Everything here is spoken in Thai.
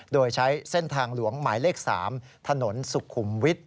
โดยใช้เส้นทางหลวงหมายเลข๓ถนนสุขุมวิทย